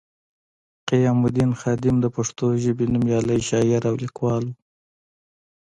قیام الدین خادم د پښتو ژبې نومیالی شاعر او لیکوال وو